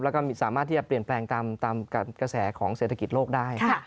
แล้วก็สามารถที่จะเปลี่ยนแปลงตามกระแสของเศรษฐกิจโลกได้